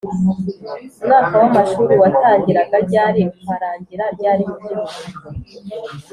Umwaka w amashuri watangiraga ryari ukarangira ryari mu gihugu